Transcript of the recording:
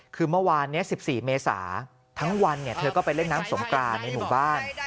คือเมื่อวานนี้๑๔เมษาทั้งวันเธอก็ไปเล่นน้ำสงกรานในหมู่บ้าน